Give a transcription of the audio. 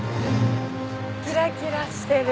キラキラしてる。